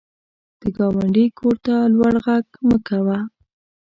د ګاونډي کور ته لوړ غږ مه کوه